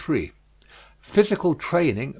PHYSICAL TRAINING VS.